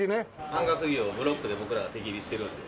アンガス牛をブロックで僕ら手切りしてるので。